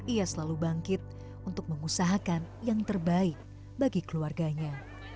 ia selalu bangkit untuk mengusahakan yang terbaik bagi keluarganya